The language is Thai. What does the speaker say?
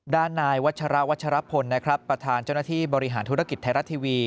ด้านนายวัชระวัชรพลนะครับประธานเจ้าหน้าที่บริหารธุรกิจไทยรัฐทีวี